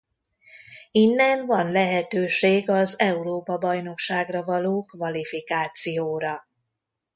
Innen van lehetőség az Európa-bajnokságra való kvalifikációra.